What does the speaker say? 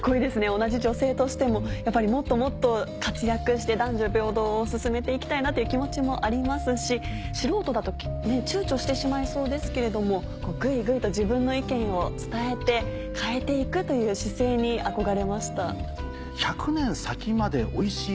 同じ女性としてもやっぱりもっともっと活躍して男女平等を進めて行きたいなという気持ちもありますし素人だと躊躇してしまいそうですけれどもグイグイと自分の意見を伝えて変えて行くという姿勢に憧れました。